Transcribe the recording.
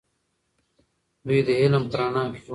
دوی د علم په رڼا کې ژوند کوي.